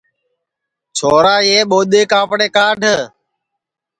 چھورا یہ ٻودَے کاپڑے کاڈھ